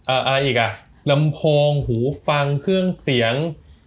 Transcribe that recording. อะไรอีกอ่ะลำโพงหูฟังเครื่องเสียง